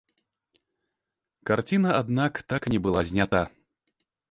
Карціна, аднак, так і не была знята.